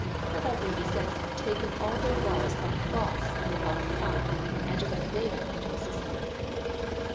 Herbart may be said to have taken all there was of false in the thought of Kant and to have made it into a system.